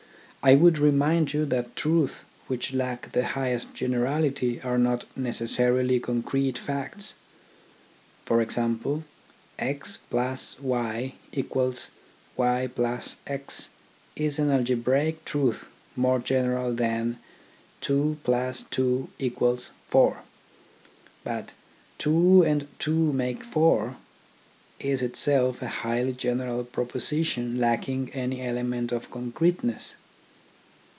I would remind you that truths which lack the highest generality are not necessarily concrete facts. For example, x \ y = y \ x is an algebraic truth more general than 2 + 2 = 4. But " two and two make four " is itself a highly general proposition lacking any element of con creteness.